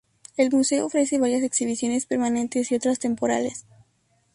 El museo ofrece varias exhibiciones permanentes y otras temporales.